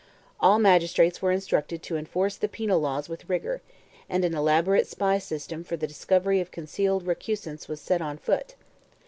All magistrates were instructed to enforce the penal laws with rigour, and an elaborate spy system for the discovery of concealed recusants was set on foot.